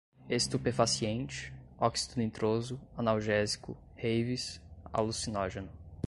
estupefaciente, óxido nitroso, analgésico, raves, alucinógeno